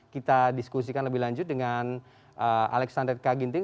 kita diskusikan lebih lanjut dengan alexander kaginting